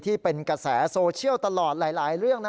ที่เป็นกระแสโซเชียลตลอดหลายเรื่องนะ